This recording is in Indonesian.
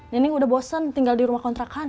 nenek udah bosen tinggal di rumah kontrakan